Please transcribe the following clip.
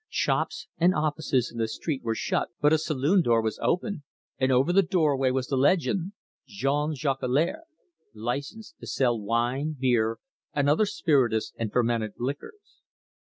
Shops and offices in the street were shut, but a saloon door was open, and over the doorway was the legend: Jean Jolicoeur, Licensed to sell Wine, Beer, and other Spirituous and Fermented Liquors.